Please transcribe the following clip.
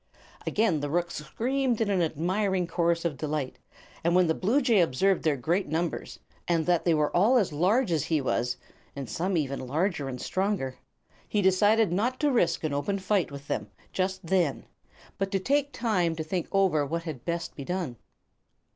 Again the rooks screamed in an admiring chorus of delight, and when the bluejay observed their great numbers, and that they were all as large as he was, and some even larger and stronger, he decided not to risk an open fight with them just then, but to take time to think over what had best be done.